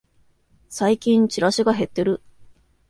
最近チラシが減ってる